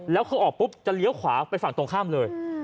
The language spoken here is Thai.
แล้วเขาออกปุ๊บจะเลี้ยวขวาไปฝั่งตรงข้ามเลย